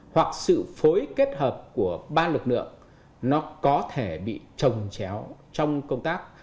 hoặc sự phối kết hợp của ba lực lượng nó có thể bị trồng chéo trong công tác